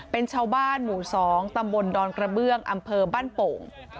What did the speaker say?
เป็นชาวบ้านหมู่๒ตำบลดอนกระเบื้องอำเภอบ้านโป่ง